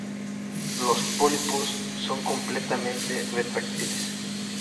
Los pólipos son completamente retráctiles.